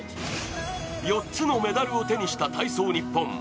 ４つのメダルを手にした体操日本。